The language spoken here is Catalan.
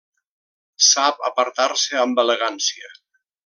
Sap apartar-se amb elegància.